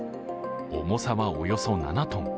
重さはおよそ７ｔ。